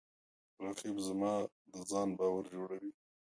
رقیب زما د ځان باور جوړوي